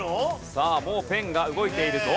さあもうペンが動いているぞ。